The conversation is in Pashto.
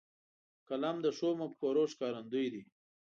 قلم د ښو مفکورو ښکارندوی دی